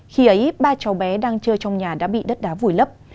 khi ấy ba cháu bé đang chơi trong nhà đã bị đất đá vùi lấp